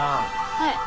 はい。